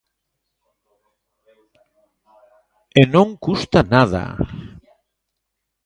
E non custa nada.